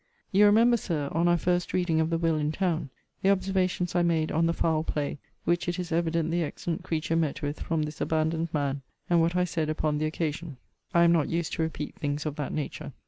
You remember, Sir, on our first reading of the will in town, the observations I made on the foul play which it is evident the excellent creature met with from this abandoned man, and what I said upon the occasion. I am not used to repeat things of that nature.